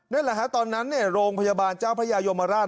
นั่นแหละครับตอนนั้นเนี่ยโรงพยาบาลเจ้าพระยาโยมราช